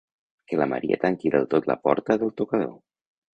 Que la Maria tanqui del tot la porta del tocador.